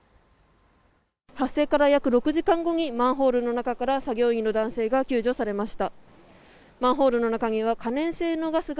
発生から約６時間後にマンホールの中から作業員の男性が救助されました。